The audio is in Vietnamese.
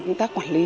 chúng ta quản lý